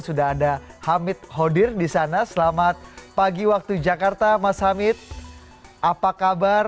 sudah ada hamid hodir di sana selamat pagi waktu jakarta mas hamid apa kabar